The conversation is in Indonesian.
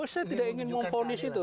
saya tidak ingin memfonis itu